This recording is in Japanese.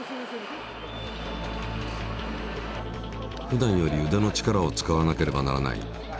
ふだんよりうでの力を使わなければならない。